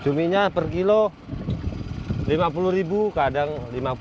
cuminya per kilo lima puluh ribu kadang lima puluh